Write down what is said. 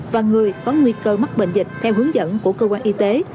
và người có nguy cơ mắc bệnh dịch theo hướng dẫn của cơ quan y tế không đeo khẩu trang nơi công cộng